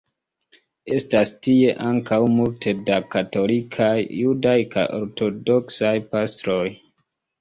Estas tie ankaŭ multe da katolikaj, judaj kaj ortodoksaj pastroj.